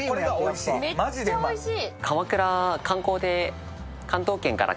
めっちゃおいしい。